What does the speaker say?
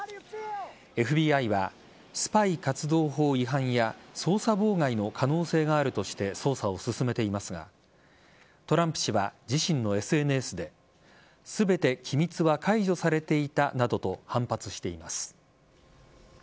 ＦＢＩはスパイ活動法違反や捜査妨害の可能性があるとして捜査を進めていますがトランプ氏は自身のＳＮＳで全て機密は解除されていたなどと反発しています。